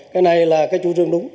cái này là cái chủ trương đúng